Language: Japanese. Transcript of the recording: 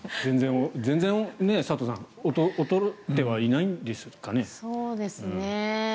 佐藤さん衰えていないんですかね。